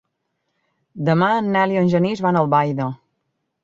Demà en Nel i en Genís van a Albaida.